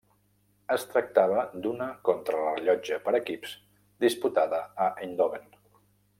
Es tractava d'una contrarellotge per equips disputada a Eindhoven.